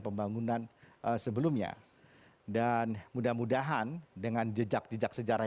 jangan lupa untuk berikan duit kepada tuhan